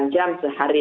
delapan jam sehari